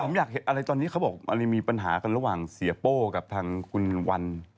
ผมอยากเห็นอะไรตอนนี้เขาบอกมันมีปัญหากันระหว่างเสียโป้กับทางคุณวัน